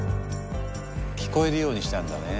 聞こえるようにしたんだね。